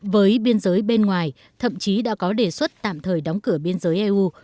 với biên giới bên ngoài thậm chí đã có đề xuất tạm thời đóng cửa biên giới eu